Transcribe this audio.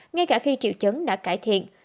ngay cả khi triệu chứng đã cải thiện